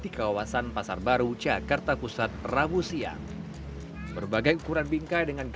karena belum ada foto resmi dari pemerintah